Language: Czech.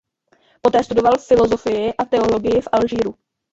Poté studoval filosofii a teologii v Alžíru.